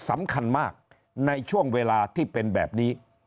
สำคัญมากในช่วงเวลาที่เป็นแบบนี้